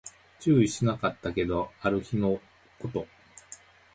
注意しなかったけど、ある日のこと